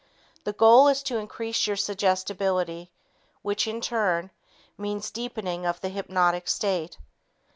The goal is to increase your suggestibility which, in turn, means deepening of the hypnotic state.